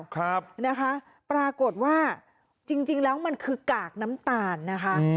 ครับนะคะปรากฏว่าจริงจริงแล้วมันคือกากน้ำตาลนะคะอืม